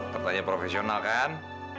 tertanya profesional kan